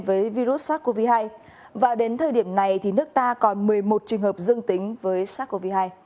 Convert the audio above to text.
với virus sars cov hai và đến thời điểm này nước ta còn một mươi một trường hợp dương tính với sars cov hai